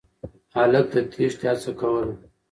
هلک د تېښتې هڅه کوله.